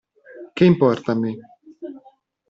Che importa a me?